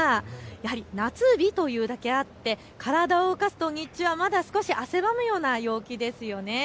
やはり夏日というだけあって体を動かすと日中はまだ少し汗ばむような陽気ですよね。